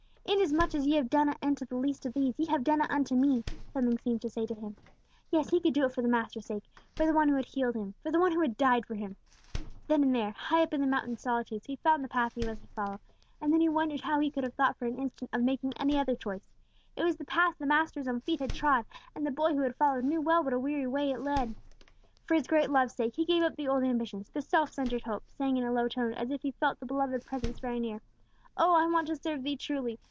"Inasmuch as ye have done it unto the least of these, ye have done it unto me," something seemed to say to him. Yes; he could do it for the Master's sake, for the One who had healed him, for the One who had died for him. Then and there, high up in the mountain's solitudes, he found the path he was to follow; and then he wondered how he could have thought for an instant of making any other choice. It was the path the Master's own feet had trod, and the boy who had followed, knew well what a weary way it led. For his great love's sake, he gave up the old ambitions, the self centred hopes, saying, in a low tone, as if he felt the beloved Presence very near, "Oh, I want to serve Thee truly!